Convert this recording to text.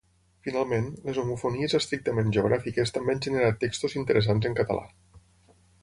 Finalment, les homofonies estrictament geogràfiques també han generat textos interessants en català.